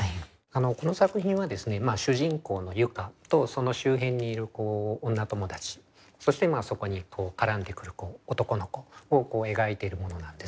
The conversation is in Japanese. この作品はですね主人公の結佳とその周辺にいる女友達そしてそこに絡んでくる男の子を描いているものなんですけれど。